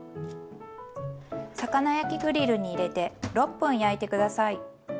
魚焼きグリルに入れて６分焼いて下さい。